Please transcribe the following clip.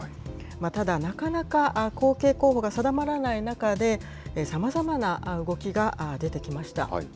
ただなかなか後継候補が定まらない中で、さまざまな動きが出てきました。